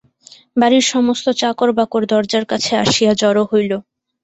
বাড়ির সমস্ত চাকরবাকর দরজার কাছে আসিয়া জড়ো হইল।